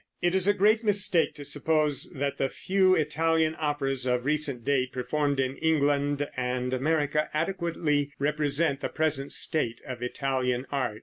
It is a great mistake to suppose that the few Italian operas of recent date performed in England and America adequately represent the present state of Italian art.